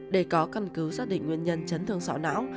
để có căn cứ xác định nguyên nhân chấn thương sọ não